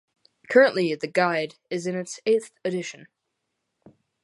Currently, the Guide is in its eighth edition.